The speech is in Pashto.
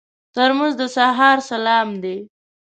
ترموز د سهار سلام دی.